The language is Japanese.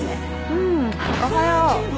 うんおはよう。